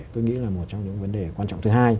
tôi nghĩ là một trong những vấn đề quan trọng thứ hai